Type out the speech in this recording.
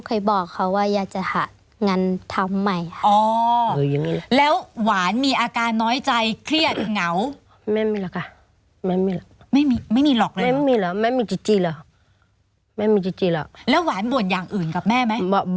แล้วหวานบ่นอย่างอื่นกับแม่ไหม